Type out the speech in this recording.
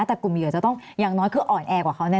แต่กลุ่มเหยื่อจะต้องอย่างน้อยคืออ่อนแอกว่าเขาเนี่ย